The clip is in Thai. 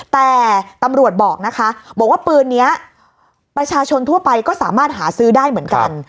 แต่ตำรวจบอกนะคะบอกว่าปืนนี้ประชาชนทั่วไปก็สามารถหาซื้อได้เหมือนกัน